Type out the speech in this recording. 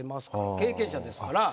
経験者ですから。